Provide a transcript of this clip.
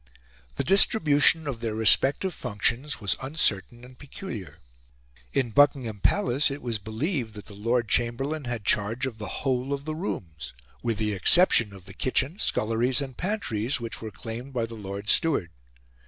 The distribution of their respective functions was uncertain and peculiar. In Buckingham Palace, it was believed that the Lord Chamberlain had charge of the whole of the rooms, with the exception of the kitchen, sculleries, and pantries, which were claimed by the Lord Steward.